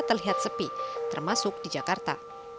terlihat sepi termasuk di jakarta